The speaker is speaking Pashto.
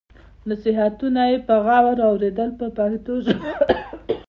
نصیحتونه یې په غور اورېدل په پښتو ژبه.